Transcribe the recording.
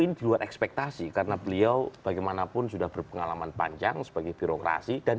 di luar ekspektasi karena beliau bagaimanapun sudah berpengalaman panjang sebagai birokrasi dan